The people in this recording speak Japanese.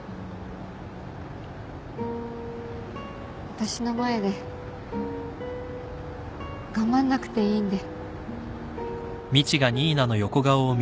私の前で頑張んなくていいんで。